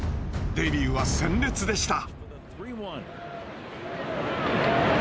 デビューは鮮烈でした。